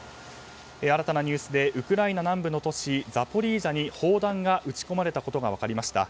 新たなニュースでウクライナ南部の都市ザポリージャに砲弾が撃ち込まれたことが分かりました。